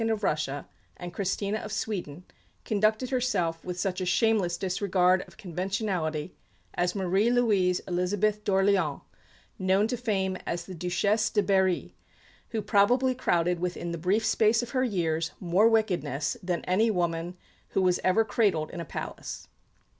of Russia and Christina of Sweden, conducted herself with such a shameless disregard of conventionality as Marie Louise Elizabeth d'Orléans, known to fame as the Duchesse de Berry, who probably crowded within the brief space of her years more wickedness than any woman who was ever cradled in a palace.